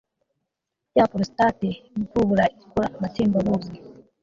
ya porositate imvubura ikora amatembabuzi